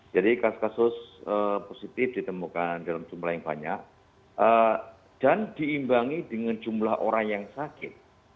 jadi kasus kasus positif ditemukan dalam jumlah yang banyak dan diimbangi dengan jumlah orang yang sakit